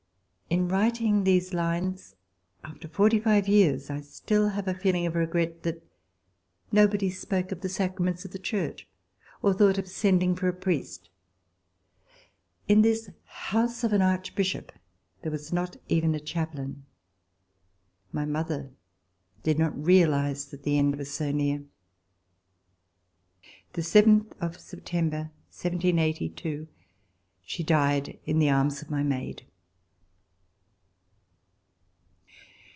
In writing these lines, after forty five years, I still have a feeling of regret that nobody spoke of the sacraments of the Church, or thought of sending for a priest. In this house of an Archbishop there was not even a chaplain. My mother did not realize that the end was so near. The yth of September, 1782, she died in the arms of my maid.